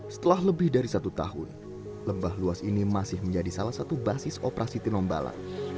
setelah lebih dari satu tahun lembah luas ini masih menjadi salah satu basis operasi tinombala